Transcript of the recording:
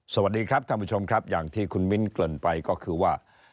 สวัสดีครับท่านผู้ชมครับอย่างที่คุณมิ้นเกริ่นไปก็คือว่า